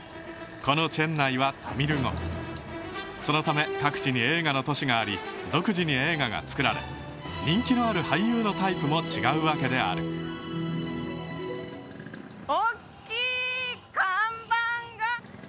このチェンナイはタミル語そのため各地に映画の都市があり独自に映画が作られ人気のある俳優のタイプも違うわけである大きい看板が！